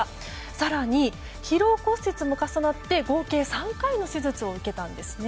更に疲労骨折も重なって合計３回の手術を受けました。